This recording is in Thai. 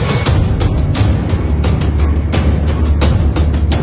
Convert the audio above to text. แล้วก็พอเล่ากับเขาก็คอยจับอย่างนี้ครับ